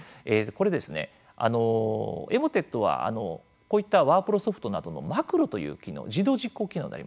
これですねエモテットはこういったワープロソフトなどの「マクロ」という機能自動実行機能になります。